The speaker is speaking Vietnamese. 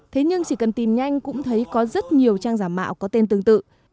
thế nhưng chỉ cần tìm nhanh cũng thấy có rất nhiều trang giả mạo có tên tương tự